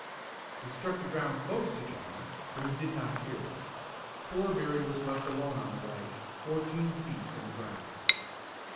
It struck the ground close to John, but he did not hear it. Poor Berry was left alone on the ledge, fourteen feet from the ground.